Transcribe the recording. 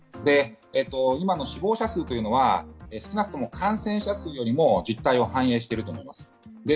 今の死亡者数というのは少なくとも感染者数よりも実態を反映していると思います。